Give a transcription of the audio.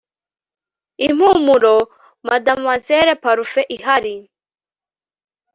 Impumuro Mademoiselle parufe ihari